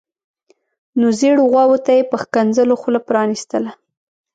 نو زیړو غواوو ته یې په ښکنځلو خوله پرانیستله.